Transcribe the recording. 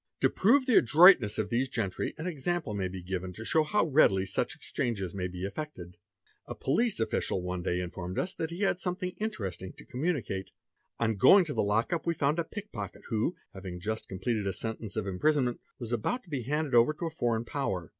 a To prove the adroitness of these gentry, an example may be given jo show how readily such exchanges may be effected. A police official ne day informed us that he had something interesting to communicate. In going to the lock up we found a pick pocket who, having just sega? 22 pea! "OITA YL SI te ompleted a sentence of imprisonment, was about to be handed over to a foreign power.